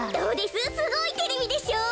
すごいテレビでしょう。